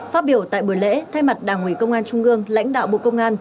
phát biểu tại buổi lễ thay mặt đảng ủy công an trung ương lãnh đạo bộ công an